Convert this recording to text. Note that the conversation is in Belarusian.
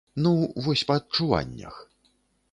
Ну, вось па адчуваннях.